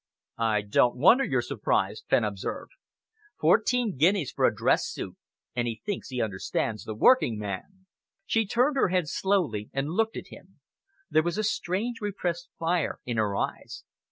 "I don't wonder you're surprised," Fenn observed. "Fourteen guineas for a dress suit, and he thinks he understands the working man!" She turned her head slowly and looked at him. There was a strange, repressed fire in her eyes.